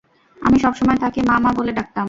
আমি সবসময় তাকে মা মা বলে ডাকতাম।